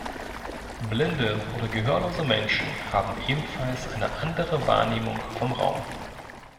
Blinde oder gehörlose Menschen haben ebenfalls eine andere Wahrnehmung vom Raum.